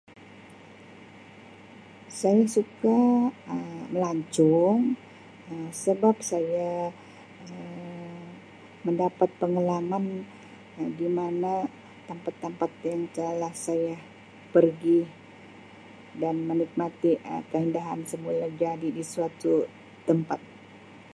Saya suka Um melancong Um sebab saya Um mendapat pengalaman di mana tampat-tampat yang talah saya pergi dan menikmati Um keindahan semulajadi di suatu tempat.